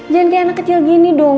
jangan kayak anak kecil gini dong